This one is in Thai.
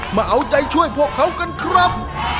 มาเอาใจช่วยพวกเขากันครับ